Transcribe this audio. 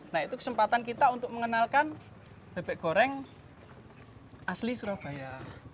nah itu kesempatan kita untuk mengenalkan bebek goreng asli surabaya